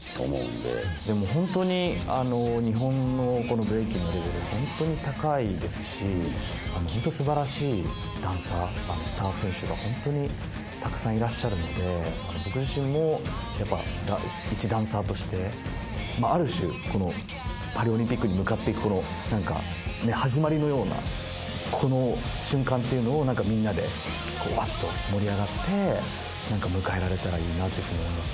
でもほんとに日本のこのブレイキンのレベルは高いですしほんとすばらしいダンサースター選手がほんとにたくさんいらっしゃるので僕自身もいちダンサーとしてある種このパリオリンピックに向かっていく始まりのようなこの瞬間っていうのをみんなでわっと盛り上がって迎えられたらいいなと思いますね。